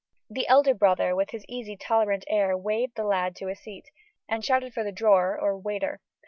The elder brother, with his easy, tolerant air waved the lad to a seat, and shouted for the drawer, or waiter.